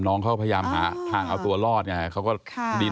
น้องเขาก็พยายามหาทางเอาตัวรอดไง